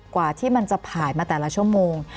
กว่าที่มันจะผ่านมาแต่ละชั่วโมง